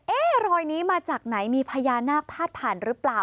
รอยนี้มาจากไหนมีพญานาคพาดผ่านหรือเปล่า